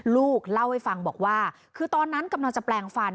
ลูกเล่าให้ฟังบอกว่าคือตอนนั้นกำลังจะแปลงฟัน